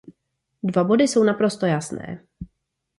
Dva body jsou naprosto jasné.